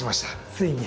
ついに。